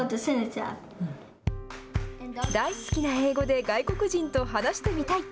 大好きな英語で外国人と話してみたい。